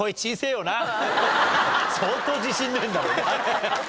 相当自信ねえんだろうな。